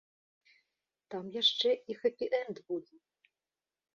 Там яшчэ і хэпі-энд будзе.